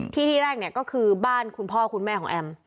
ที่ที่แรกเนี่ยก็คือบ้านคุณพ่อคุณแม่ของแอม